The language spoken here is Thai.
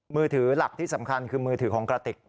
มือถือหลักที่สำคัญคือมือถือของกระติก